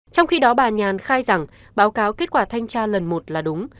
trong khi đó bà nhàn khai rằng báo cáo kết quả thanh tra lần một là đúng